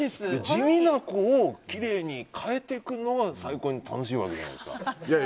地味な子をきれいに変えていくのが最高に楽しいわけじゃないですか。